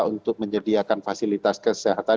untuk menyediakan fasilitas kesehatan